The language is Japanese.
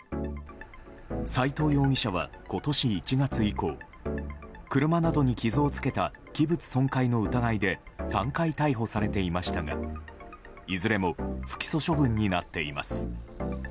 斎藤容疑者は今年１月以降車などに傷をつけた器物損壊の疑いで３回逮捕されていましたがいずれも不起訴処分になっています。